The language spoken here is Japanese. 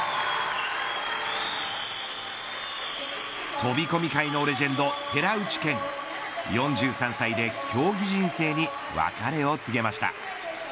飛込界のレジェンド、寺内健４３歳で競技人生に別れを告げました。